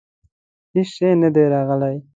هیڅ شی نه دي راغلي.